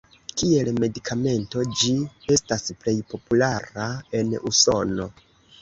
Kiel medikamento ĝi estas plej populara en Usono.